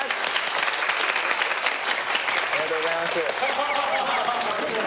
ありがとうございます